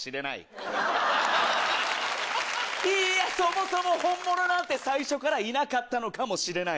いやそもそも本物なんて最初からいなかったのかもしれない。